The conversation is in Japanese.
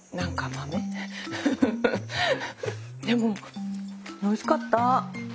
でもおいしかった。